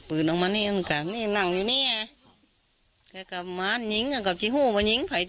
เพียกับแม่นอู้น